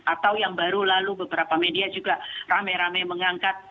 atau yang baru lalu beberapa media juga rame rame mengangkat